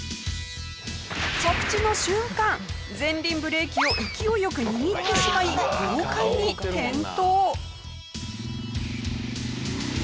着地の瞬間前輪ブレーキを勢いよく握ってしまい豪快に転倒。